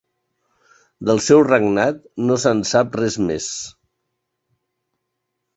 Del seu regnat no se'n sap res més.